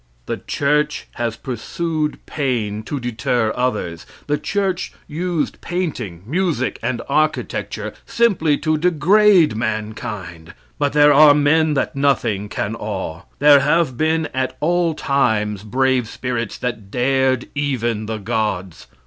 The church has pursued Paine to deter others. The church used painting, music, and architecture simply to degrade mankind. But there are men that nothing can awe. There have been at all times brave spirits that dared even the gods.